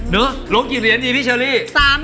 ลงกี่เหรียญดีพี่เชอรี่